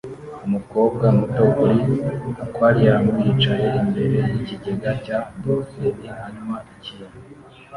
Umukobwa muto kuri aquarium yicaye imbere yikigega cya dolphine anywa ikintu